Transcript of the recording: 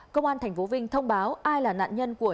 công an tp vinh thông báo ai là nạn nhân của